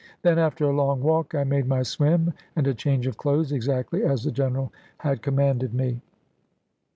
Then after a long walk, I made my swim, and a change of clothes, exactly as the General had commanded me.